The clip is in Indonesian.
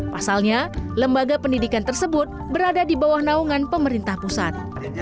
pasalnya lembaga pendidikan tersebut berada di bawah naungan pemerintah pusat